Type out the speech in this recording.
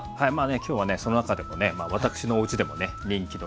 今日はねその中でもね私のおうちでもね人気のね